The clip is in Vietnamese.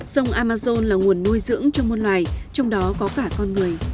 sông amazon là nguồn nuôi dưỡng cho một loài trong đó có cả con người